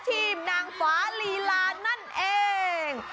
นางฟ้าลีลานั่นเอง